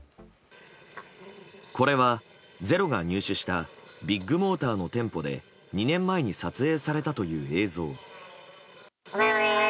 これは「ｚｅｒｏ」が入手したビッグモーターの店舗で２年前に撮影されたという映像。